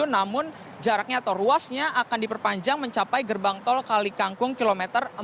namun jaraknya atau ruasnya akan diperpanjang mencapai gerbang tol kalikangkung kilometer empat puluh